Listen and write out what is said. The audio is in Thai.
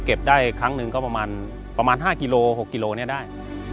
ได้ครั้งหนึ่งก็ประมาณ๕กิโล๖กิโลเนี่ยได้